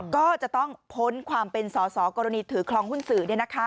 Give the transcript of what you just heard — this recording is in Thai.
ก็จะต้องพ้นความเป็นสอสอกรณีถือคลองหุ้นสื่อ